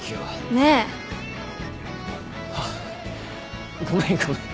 ねえ！あっごめんごめん。